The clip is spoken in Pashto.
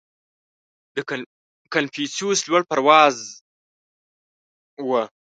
• کنفوسیوس لوړ پروازه و.